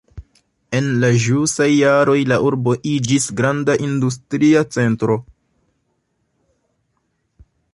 En la ĵusaj jaroj la urbo iĝis granda industria centro.